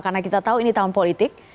karena kita tahu ini tahun politik